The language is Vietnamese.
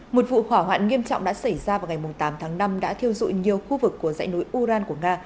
một vụ hỏa hoạn nghiêm trọng đã xảy ra vào ngày tám tháng năm đã thiêu dụi nhiều khu vực của dãy núi uran của nga